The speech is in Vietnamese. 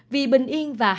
vì bình yên và hạnh phúc